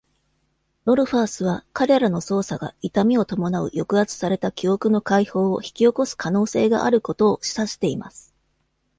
ロルファースは、彼らの操作が痛みを伴う抑圧された記憶の解放を引き起こす可能性があることを示唆しています。